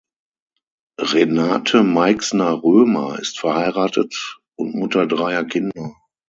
Renate Meixner-Römer ist verheiratet und Mutter dreier Kinder.